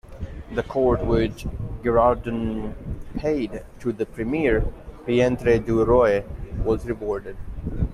The court which Girardon paid to the "premier peintre du roi" was rewarded.